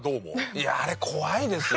いやあれ怖いですよ。